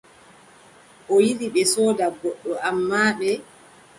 O yiɗi ɓe sooda goɗɗo, ammaa ɓe.